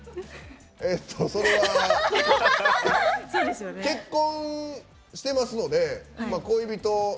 えっと、それは。結婚してますので恋人。